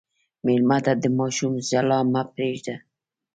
مېلمه ته د ماشوم ژړا مه پرېږده.